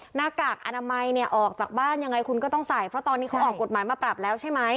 หน้ากากอนามัยเนี่ยออกจากบ้านยังไงคุณก็ต้องใส่เพราะตอนนี้เขาออกกฎหมายมาปรับแล้วใช่ไหม